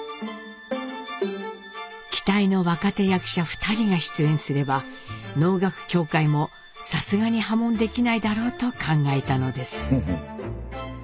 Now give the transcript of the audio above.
期待の若手役者２人が出演すれば能楽協会もさすがに破門できないだろうと考えたのです。